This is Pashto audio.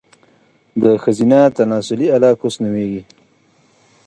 د ښځينه تناسلي اله، کوس نوميږي